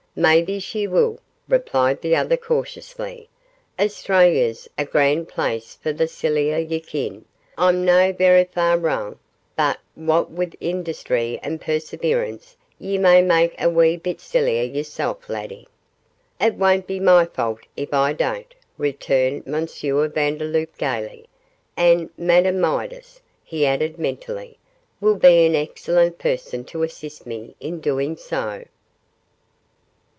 "Maybe she will," replied the other, cautiously. "Australia's a gran' place for the siller, ye ken. I'm no verra far wrang but what wi' industry and perseverance ye may mak a wee bit siller yersel', laddie." "It won't be my fault if I don't," returned M. Vandeloup, gaily; "and Madame Midas," he added, mentally, "will be an excellent person to assist me in doing so."